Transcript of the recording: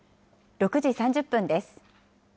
６時３０分です。